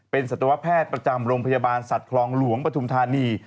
เป็นสัตวแพทย์ประจำโรงพยาบาลสัตว์คลองหลวงปฐุมธานี